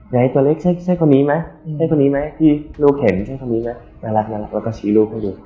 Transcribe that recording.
ไหนตัวเล็กใช่คนนี้ไหมใช่คนนี้ไหมที่ลูกเห็นใช่คนนี้ไหมน่ารักแล้วก็ชี้รูปให้ดู